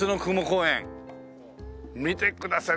見てください！